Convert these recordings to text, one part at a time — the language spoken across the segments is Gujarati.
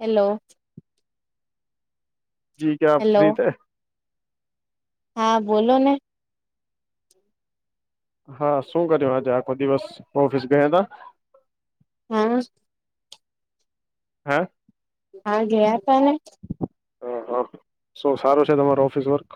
હેલો. જીજા આપ હેલો ફ્રી થાય. હા, બોલો ને. હા, શું કર્યું આજે આખો દિવસ ઓફિસ ગયા હતા. હા. હા. હા ગયા હતા ને. હ હ શ સારું છે તમારો ઓફિસ વર્ક.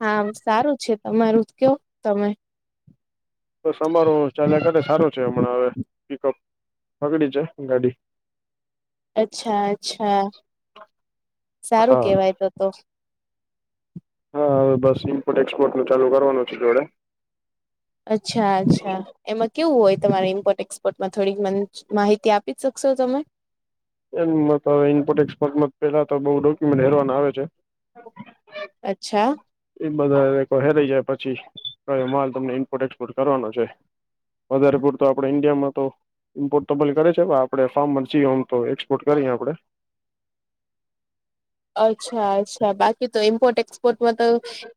હા, સારું છે. તમારું કેવુંક તમે? બસ અમારુ ચાલ્યા કર સારું છે હમણાં હવે પિકઅપ બગડી જાય ગાડી. અચ્છા અચ્છા સારું હા કેવાય તો તો. હા, હવે બસની ઇમ્પોર્ટ એક્સપોર્ટ નું ચાલુ કરવાનું છે જોડે. અચ્છા અચ્છા. એમાં કેવું હોય તમારે ઇમ્પોર્ટ એક્સપોર્ટમાં થોડીક માહિતી આપી શકશો તમે. એમ ઇનપોટ એક્સપર્ટમાં પેલા તો બઉુ ડોક્યુમેન્ટ હેરવાના આવે છે. અચ્છા. એ બધા રેકોર્ડ હેરાઈ જાય પછી માલ તમને ઇનપોર્ટ એક્સપોર્ટ કરવાનો છે. વધારે પૂરતો આપડે ઈન્ડિયામાં તો. ઇમ્પોર્ટ તમાને કરે છે આપણે ફાર્મમાં જઈ એમ તો એક્સપોર્ટ કરીએ આપેડે. અચ્છા અચ્છા બાકી તો ઇમ્પોર્ટ એક્સપોર્ટમાં તો.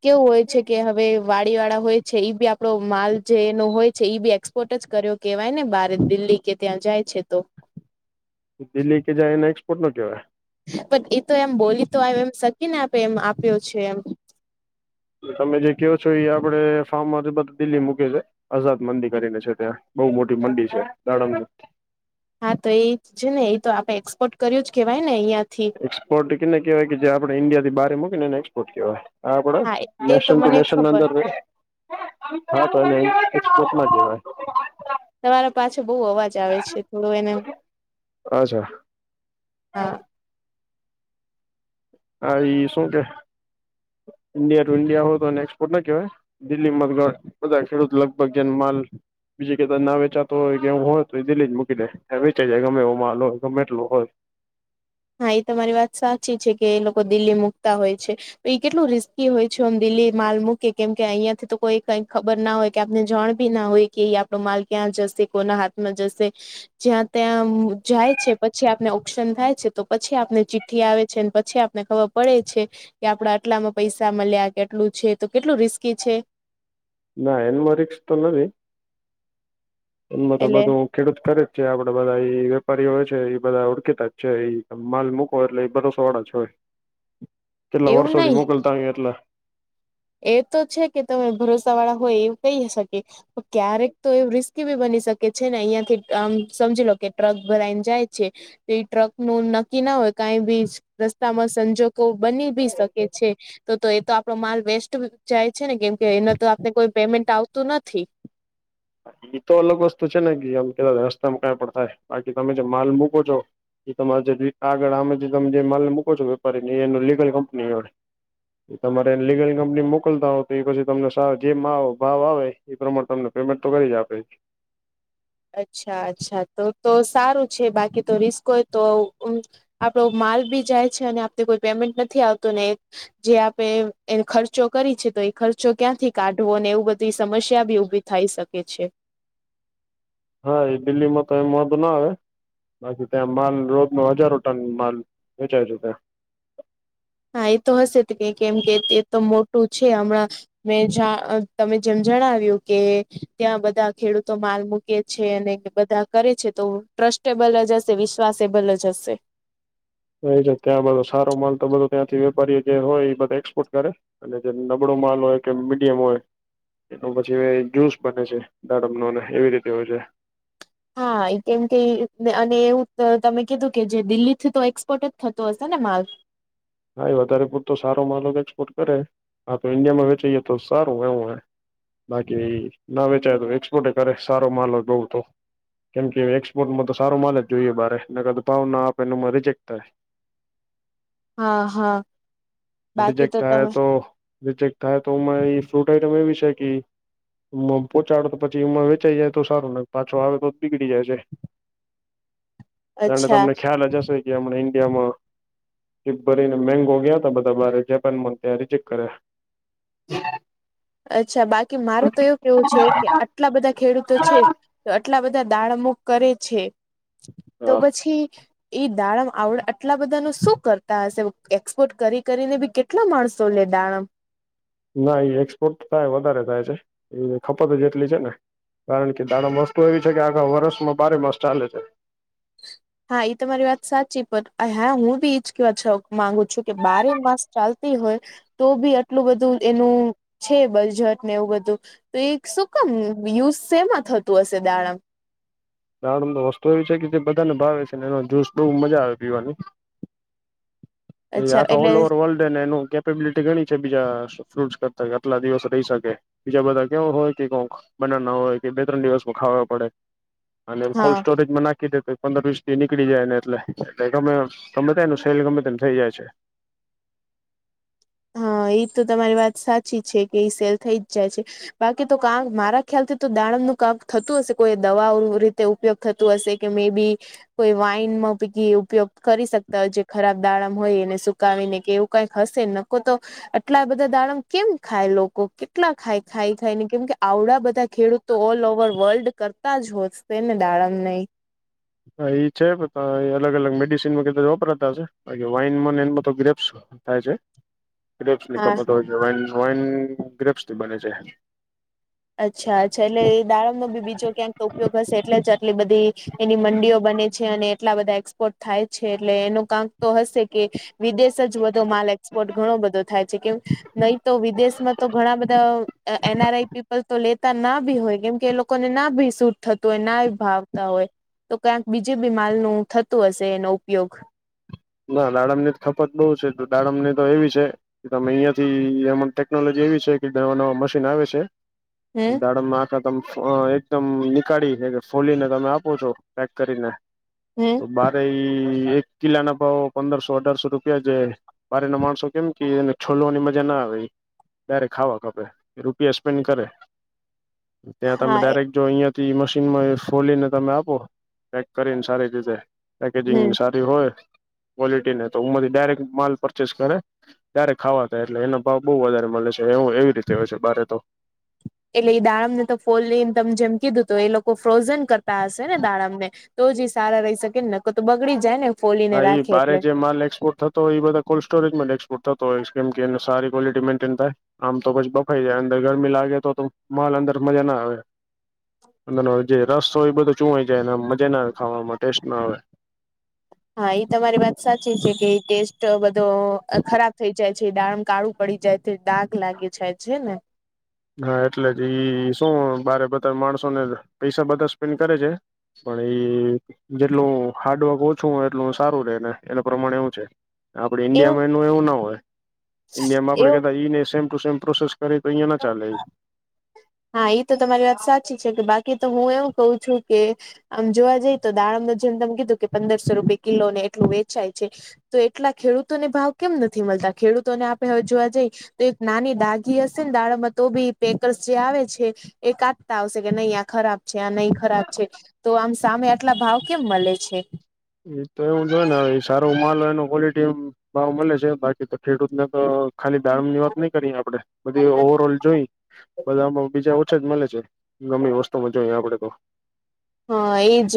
કેવું હોય છે કે હવે વાડી વાળા હોય છે ઈ બી આપડો માલ જેનો હોય છે ઈ બી એ કોટ જ કર્યો કેહેવાય ને બારે દિલ્હી કે ત્યાં જાય છે તો. દિલ્હી કે જાય ને એક્સપોર્ટ નો કેવાય. પણ એ તો એમ બોલી તો આવ એમ શકી ને આપે એમ આપ્યો છે એમ. તમે જે કહો છો એ આપડે ફાર્મમાંથી બધ દિલ્લી મૂકે છે. આઝાદ મંડી કરીને છે ત્યાં બહુ મોટી મંડી છે દાડંગની. હા, તો એ છે ને એ તો આપડે એક્સપોર્ટ કર્યું જ કેહેવાય ને અહિયાં થી. એક્સપોર્ટ કેને કવાય કે જે આપણે ઇન્ડિયા થી બારે મૂકીને એનેક્સપોર્ટ કહેવાય. હા, આપડે એ તો નેશન ટુ મને નેશન ના ખબર અંદર. હા, તો એને એક્સપોર્ટ ના કેવાય. તમારો પાછે બહુ અવાજ આવે છે થોડો એને અચ્છા હા. હા, એઈ શું કે? ઇન્ડ ટુ ઇન્ડિયા હો તો, એ એક્સપોર્ટ ના કેવાય. દિલ્હીમાં બધા ખેડૂત લગભગ જેનો માલ. બીજી કે ના વે હા, એ તમારી વાત સાચી છે કે, દિલ્હી મુકતા હોય છે. તો એ કેટલું રિસ્કી હોય છે, એમ દિલ્હી માલ મૂકતા હોય છે, કેમ કે અહિયાં થી તો કોઈ કઈ ખબર ના હોય. કે આપને જાણ ભી ના હોય કે, એ આપણો માલ ક્યાં જશે? કોના હાથમાં જશે? જ્યાં ત્યાં આમ જાય છે, પછી આપને ઓપ્શન થાય છે. તો પછી આપને ચિઠ્ઠી આવે છે, પછી આપને ખબર પડે છે. કે આપડા આટલામાં પૈસા મળ્યા કે, આટલું છે, તો કેટલું રિસ્કી છે. ના એનામાં રિકક્ષ તો નથી, એમાં તો એટલે બધું ખેડૂત કરે છે, આપડે બધા વેપારીઓ હોય છે, એ બધા ઓળખતા જ છે, એ માલ મુક એટલે એ ભરોસો વાળા છ હોય, કેટલા એવું વર્ષોથી નહી મોકલતા એટલે. એ તો છે કે, તમે ભરોસા વાળા હોય, એવું કહી શકી, ક્યારેક તો એવું રિસ્ બી બની શકે છે ને, અહિયાં થી આમ સમજી લો, કે ટ્રક ભરાઈને જાય છે. એ ટ્રક નું નક્કી ના હોય, કંઈ બી. રસ્તામાં સંજોગો બની ભી શકે છે, તો તો એ તો આપડો માલ વેસ્ટ જાય છે ને, કેમ કે એના તો આપને કોઈ પેમેન્ટ આવતું નથી. એઈ તો અલગ વસ્તુ છે ને, કે આમ કે રસ્તામાં કયા પણ થાય, બાકી તમે જે માલ મૂકો છો. એ તમા આગળ આમાં તમે જે માલ ને મૂકો છો, વેપારી ની એ લીગલ કંપની જોડે. તમારે લીગલ કંપની મોકલતા હોય, તો એ પછી તમને સાર જે ભાવ આવે એ પ્રમાણે તમને. પેમેન્ટ તો કરી જ આપે. અચ્છા, અચ્છા, તો તો સારું છે. બાકી તો રિસ્ક હોય તો. આપડો માલ બી જાય છે, અને આપને કોઈ પેમેન્ટ નથી આવતું ને. જે આપે એ ખર્ચો કરી છે, તો એ ખર્ચો ક્યાંથી કાઢવો ને, એવું બધી સમસ્યા બી ઉભી. થાય શકે છે. હા, એ દિલ્હીમાં તો એમ વાંધો ના આવે. બાકી ત્યાં માલ રોજ નો હજારો ટન માલ વેચાય છે, ત્યાં. હા, એ તો હશે કે, કેમ કે એ તો મોટું છે, હમણાં. મેં તમે જેમ જણાવ્યું કે, ત્યાં બધા ખેડૂતો માલ મુ છે. અને બધા કરે છે, તો ટ્રસ્ટેબલ જ હશે, વિશ્વાસેબલ જ હશે. એ ત્યાં બધો સારો માલ તો બધો ત્યાંથી વેપારીઓ જે હોય, એ બધા એક્સપોર્ટ કરે. અને જે નબળો માલ હોય કે, મીડિયમ હોય. એનો પછી જ્યુસ બને છે, દાડમનો ને એવી રીતે હોય છે. હા, એ કેમ કે, અને એવું તમે કીધું કે, જે દિલ્હી થી તો એક્સપોર્ટ જ થતો હશે ને માલ. હા, એ વધારે પૂરતો સારો માલ એક્સપોર્ટ કરે આપ, તો ઇન્ડિયામાં વેચીએ, તો સારું, એવું હ. બાકી ના વેચાય તો એક્સપોર્ટ કરે, સારો માલ હો બઉ તો. કેમ કે, એક્સપોર્ટમાં તો સાર માલ જ જોઈએ, બરેને કું ભાવ ના આપે, એનેમાં રિજેક થાય. હા, હા. બાકી રિજેક્ટ થાય, તમે તો રિજેક્ટ થાય તોરી ફ્રૂટ આઈટમ એવી છે કે પોહોચાડે, તો પછી એમાં વેચાઈ જાય, તો સારુંને, પાછો આવે, તો જ બીગળડી જાય છે. ત અચ્છા તમને ખ્યાલ જ હશે કે, હમણા ઈન્ડિયામાં. ભરીને મેંગો ગયા તા, બધા બરે જપ, ત્યાં રિજેક કર્યા. અચ્છા, બાકી મારું તો એવું કેવું છે કે, આટલા બધા ખેડૂતો છે. તો આટલા બધા દાળમુખ કરે છે, તો પછી ઈ દાડમ આવડે, આટલા બધા ન શું કરતા હશે? એક્સપોર્ટ કરી કરીને બી કેટ. કેટલા માણસો? લે દાડમ. ના એ એક્સપોર્ટ થાય વધારે થાય છે, એ ખપત જેટલી છે ને. કારણ કે દાણા મસ્ત એવી છે કે, આખા વર્ષમાં બારેમાસ ચાલે છે. હા, એ તો મારી વાત સાચી. પણ હા, હું બી જ કેવા માંગુ છું કે, બારેમાસ ચાલતી હોય. તો બી આટલું બધું એનું છે, બજટ ને, એવું બધું. તો એક શું કામ યુઝ સેમાં થતું હશે દાડમ દાડમ તો વસ્તુ એવી છે કે જે બધાને ભાવે છે એ જૂસ બહું મજા આવે પીવાની એ અચ્છા આ એટલે ઓલ ઓવર વર્લ્ડ ને કે બિલિટી ઘણી છે બીજા ફ્રૂટસ કરતા કે આટલા દિવસ રહી શકે બીજા બધા કેવા હોય કે કોક બધાના ના હોય કે બે ત્રણ દિવસમાં ખાવા પડે અને હા કોલ્ડ સ્ટોરેજમાં નાખી દે પંદર વીસ થી નીકળી જાય ને એટલે એટલે ગમે ગમે ત્યાં એનું સેલ ગમે તેને થઈ જાય છે. હા એ તો તમારી વાત સાચી છે કે એ સેલ થઈ જ જાય છે. બાકી તો કામ મારા ખ્યાલથી તો દાળમનું કામ થતું હશે કોઈ દવાઓ રીતે ઉપયોગ થતું હશે કે મે બી કોઈ વાઈનમાં પૈકી ઉપયોગ કરી શકતા હોય જે ખરાબ દાળમ હોય એને શુ કાવીને કે એવું કઈક હશે નકકો તો આટલા બધા દાડમ કેમ ખાય લોકો કેટલા ખાય ખાઈ ખાયને કેમ કે આવડા બધા ખેડૂત તો ઓલ ઓવર વર્લ્ડ કરતા જ હોશે ને દાડમ ને ઈ હા છે એ અલગ અલગ મેડિસિનમાં કદાચ વપરાતા હશે વાઈન એમાં ગ્રેપ્સ થાય છે ગ્રેપ્સ ની હા ખપત હોય છે વાઇન ગ્રેપ્સ ની બને છે. અચ્છા અચ્છા એટલે એ દાળમ નો બી બીજો ક્યાંક ઉપયોગ હશે એટલે જ આટલી બધી એની મંડીઓ બને છે અને એટલા બધા એક્સપોર્ટ થાય છે એટલે એનો કાંક તો હશે કે વિદેશ જ બધો માલ એક્સપોર્ટ ઘણો બધો થાય છે કેમ નહી તો વિદેશમાં તો ઘણા બધા એનઆરઆઈપી તો લેતા ના ભી હોય કેમ કે એ લોકોને ના ભી સૂટ થતું હોય ના ભાવતા હોય તો ક્યાંક બીજી બી માલ નું થતું હશે એનો ઉપયોગ ના દાડમ ની ખપત બહુ છે દાડમ ને તો એવી છે તમે અહિયાં થી એમ ટેકનોલોજી એવી છે કે નવા નવા મશીન આવે છે હમ દાડણમાં તમ એકદમ નીકાળી ફોલીને તમે આપોતો પેક કરીને હમ તો બારે એક કિલાના તો પંદરસો અઢારસો રૂપિયા છે બારે ના માણસો કેમ કેને છોલવાની મજા ના આવી ત્યારે ખાવા ખપે રૂપિયા સ્પેન્ડ કરે ત્યાં તમે હા ડાયરેક્ટ જો અહીયાંથી મશીનમાં ફોલીને તમે આપો પેક કરીને સારી રીતે પેકેજિંગ હમ સારી હોય ક્વોલિટી ને તો ઉમાંથી ડાયરેક્ટ માલ પરચેસ કરે ત્યારે ખાવા થાય એટલે એનો ભાવ બહુ વધારે મળે છે એવું એવી રીતે હોય છે બારે તો એટલે એ દાડમ ને તો ફોલી ને તમ જેમ કીધું તો એ લોકો ફ્રોઝન કરતા હશે ને દાડમ ને તો જ સારા રહી શકે ને નકતો બગડી જાય ને ફોલીને હા એ રાખે બારે એટલે જે માલ એક્સપોર્ટ થતો તો એ બધા કોલ્ડ સ્ટોરેજમાં ડેક્સપોર્ટ થતો હોય કેમ એને સારી ક્વલિટી મેઇન્ટેન થાય આમ તો પછ બફાઈ જાય અંદર ગરમી લાગે તો તો માલ અંદર મજા ના આવે અંદરનો જે રસ હોય એ બધો ચુવાઈ જાય અને મજા ના આવે ખાવામાં ટેસ્ટ ના આવે હા એ તમારી વાત સાચી છે કે ટેસ્ટ બધો ખરાબ થઈ જાય છે દાડમ કાળુ પડી જાય છે દાગ લાગે જાય છે ને હા એટલે જ ઈ શું બારે બધા માણસોને પૈસા બધા સ્પેન્ડ કરે છે. પણ એ જેટલું હાર્ડવર્ક ઓછું હોય એટલું સારું રે ને એના પ્રમાણે એવું છે. આપડે ઈન્ડિયા માં એનું એવું ના હોય ઈન્ડિયા માં આપડે એવું કેતા ઈને સેમ ટુ સેમ પ્રોસેસ કરી તો અયા ચાલે હા એ તો તમારી વાત સાચી છે કે બાકી તો હું એવું કઉ છું કે આમ જોવા જઈએ તો દારમ ને જેમ તમે કીધું કે પંદરસો રૂપે કિલો ને એટલું વેચાય છે. તો એટલા ખેડૂતોને ભાવ કેમ નથી મળતા ખેડૂતોને આપે હવે જોવા જઈ તો એક નાની દાગી હશે ને દાળમાં તો બી પેકર જે આવે છે એ કાટતા આવશે કે નહી આ ખરાબ છે આ નહી ખરાબ છે. તો આમ સામે આટલા ભાવ કેમ મળે છે? એ તો એવું જોય ને સારો માલ એનું ક્વોલિટી ભાવ મળે છે બાકી તો ખેડૂતને તો ખાલી દાારમ ની વાત નઈ કરી આપડે બધી ઓવર ઓલ જોઈ બધા આમાં બીજા ઓછા જ મળે છે ગમે વસ્તુમાં જોઈએ આપડે તો હા એજ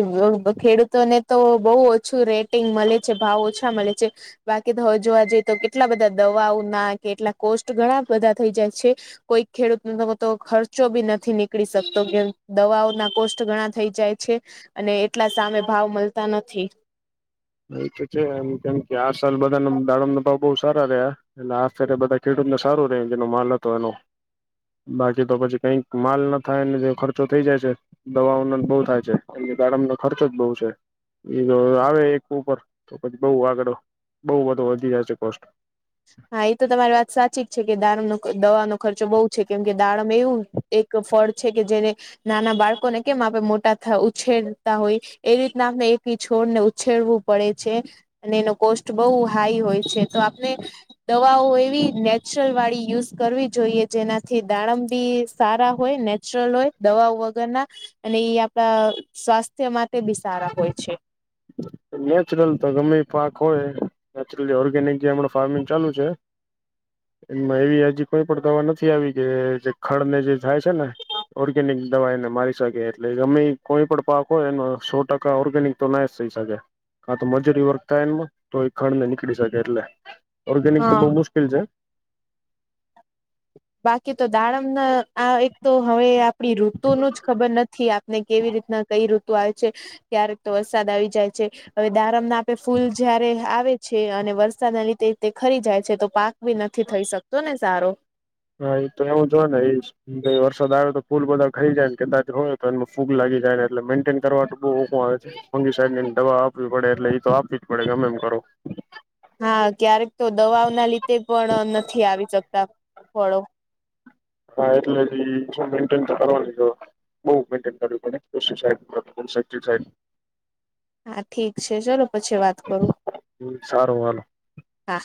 ખેડૂતોને તો બહુ ઓછું રેટિંગ મળે છે ભાવ ઓછા મળે છે બાકી તો હવે જોવા જઈએ તો કેટલા બધા દવાઓ ના કેટલા કોષ ઘણા બધા થઈ જાય છે કોઈ ખેડૂત ન ખર્ચો બી નથી નીકળી શકતો કે દવાઓ ના કોષ ઘણા થઈ જાય છે અને એટલા સામે ભાવ મળતા નથી એ તો છે એમ કેમ કે આ સાલ બધા ના દાડમના ભાવ બહ સારા રહ્યા એટલે આ ફેરે બધા ખેડૂત ને સારું રે જેનો માલ હતો એનો બાકી તો પછી કઈક માલ નો થાયને જે ખર્ચો થઈ જાય છે દવાઓના બો થાય છે અને ગાડમનો ખર્ચો જ બો છે એ જો આવે એક [unintelligible] પછી બો આગળ બો બધો વધી જશે કોસ્ટ હા એ તો તમારી વાત સાચી જ છે કે દાારમનો દવાનો ખર્ચો બો છે કેમ કે દારમ એવું એક ફળ છે કે જેને નાના બાળકોને કેમ આપે મોટા થ ઉછેરતા હોય એ રીતના આપમને એકી છોડને ઉછેરવું પડે છે અને એનો કોસ્ટ બો હાઈ હોય છે તો આપને દવાઓ એવી નેચરલ વાળી યુઝ કરવી જોઈએ જેનાથી દાડમ બી સારા હોય ને [unintelligible] હોય દવા વગરના અને આપડા સ્વાસ્થ્ય માટે બી સારા હોય છે [inaudible] નેચરલ તો ગમે પાક હોય નેચરલી ઓર્ગેનિક જેમ ફાર્મિંગ ચાલુ છે એમાં એવી હજી કોઈ પણ દવા નથી આવી કે જે ખડ ને જે થાય છે ને ઓર્ગેનિક દવા એને મારી શકે એટલે ગમે કોઈ પણ પાક હોય એનો સો ટ ઓર્ગેનિક તો ના સઈ શકે કાતો મજૂરી વર્તા તો ખંડ ને નીકળી શકે એટલે ઓર્ગેનિક તો હા બો મુશ્કેલ છે બાકી તો દાડમ ના આ એક તો હવે આપણી ઋતુ નુ જ ખબર નથી ને કેવી રીતના કઈ ઋતુ આવે છે ક્યારેક તો વરસાદ આવી જાય છે હવે દારમ ના આપે ફૂલ જયારે આવે છે અને વરસાદના લીધે તે ખરી જાય છે તો પાક વિ નથી થઈ શકતો ને સારો હા એ તો એવું જો ને એ ભાઈ વરસાદ આવયો તો ફૂલ બધા ખાઈ જાય ને કદાચ હોય તો એ ફૂગ લાગી જાય ને એટલે મેઇન્ટેન કરવાનું બો ઓ આવે છે ફંગી સાહેબ ની દવા આપવી પડે એટલે ઈ તો આપવી જ પડે ગમે એમ કરો હા ક્યારેક તો દવાઓ ના લીધે પણ નથી આવી શકતા ફળો હા એટલે ઈ મેન્ટેન તો કરવાની જો બો [unintelligible] હા ઠીક છે ચલો પછી વાત કરું સારું હાલ હા